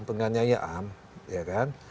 penganyianya am ya kan